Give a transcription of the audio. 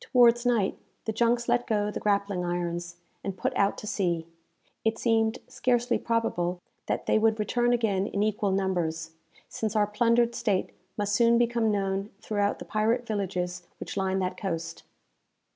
Towards night, the junks let go the grappling irons, and put out to sea. It seemed scarcely probable that they would return again in equal numbers, since our plundered state must soon become known throughout the pirate villages which line that coast.